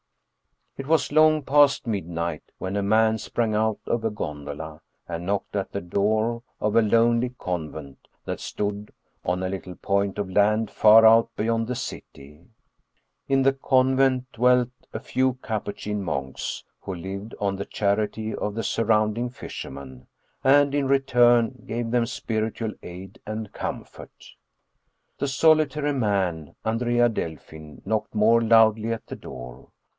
It was long past midnight when a man sprang out of a gondola and knocked at the door of a lonely convent that stood on a little point of land far out beyond the city. In the convent dwelt a few Capuchin monks who lived on the charity of the surrounding fishermen, and in return gave them spiritual aid and comfort. The solitary man, Andrea Delfin, knocked more loudly at the door.